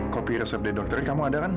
kopi resep dari dokter ini kamu ada kan